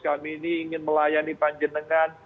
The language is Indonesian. kami ini ingin melayani panjenengan